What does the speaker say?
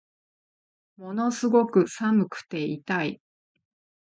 ものすごく寒くて痛い